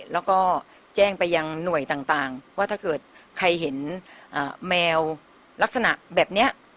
แล้วก็แจ้งไปยังหน่วยต่างว่าถ้าเกิดใครเห็นแมวลักษณะแบบนี้